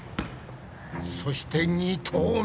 そして２投目。